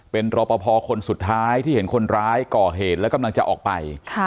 เป็นรอปภคนสุดท้ายที่เห็นคนร้ายก่อเหตุและกำลังจะออกไป